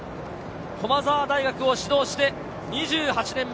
駒澤大学を指導して２８年目。